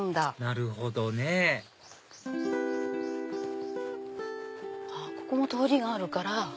なるほどねあっここも通りがあるから。